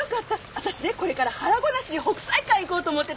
私ねこれから腹ごなしに北斎館へ行こうと思ってたのよ。